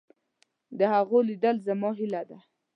د هغوی لیدل زما هیله ده.